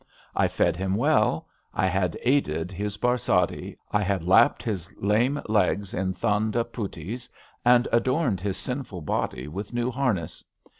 I fed him well, I had aided his barsati, I had lapped his lame legs in thanda putties, and adorned his sinful body with new harness.